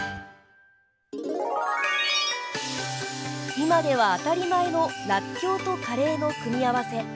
今では当たり前のらっきょうとカレーの組み合わせ。